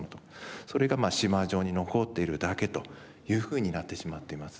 それがまあ島状に残っているだけというふうになってしまっています。